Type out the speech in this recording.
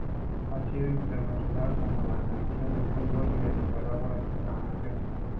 Ha sido internacional con la Selección de fútbol de Nicaragua en una ocasión.